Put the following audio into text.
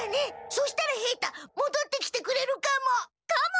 そしたら平太もどってきてくれるかも。かも！